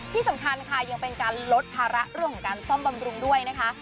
ที่สำคัญค่ะยังเป็นการลดภาระเรื่องของการซ่อมบำรุงด้วยนะคะ